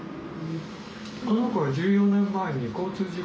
この子は１４年前に交通事故に遭って。